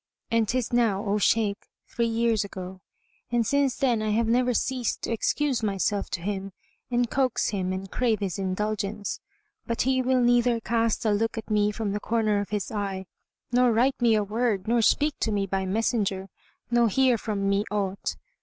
And 'tis now, O Shaykh, three years ago, and since then I have never ceased to excuse myself to him and coax him and crave his indulgence, but he will neither cast a look at me from the corner of his eye, nor write me a word nor speak to me by messenger nor hear from me aught."